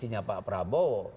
yang berkaisinya pak prabowo